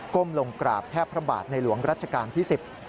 ้มลงกราบแทบพระบาทในหลวงรัชกาลที่๑๐